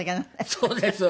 そうですよ。